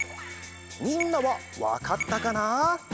みんなはわかったかな？